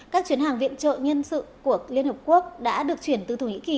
các chuyến hàng viện trợ nhân sự của liên hợp quốc đã được chuyển từ thổ nhĩ kỳ